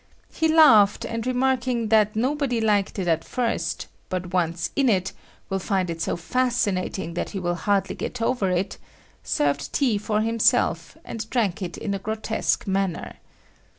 He laughed, and remarking that that nobody liked it at first, but once in it, will find it so fascinating that he will hardly get over it, served tea for himself and drank it in a grotesque manner.